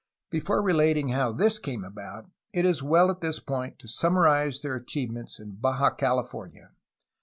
Before relating how this came about, it is well at this point to summarize their achievements in Baja Cali fornia.